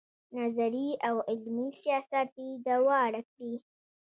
نظري او عملي سیاست یې دواړه کړي.